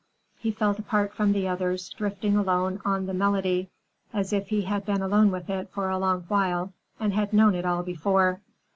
He felt apart from the others, drifting alone on the melody, as if he had been alone with it for a long while and had known it all before.